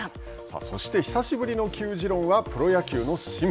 そして久しぶりの球自論はプロ野球の審判。